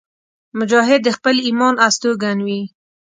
مجاهد د خپل ایمان استوګن وي.